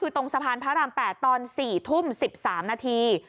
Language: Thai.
คือตรงสะพานพระราม๘ตอน๔ทุ่ม๑๓นาที